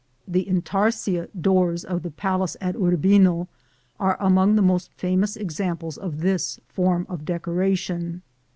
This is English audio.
The intarsia doors of the palace at Urbino are among the most famous examples of this form of decoration.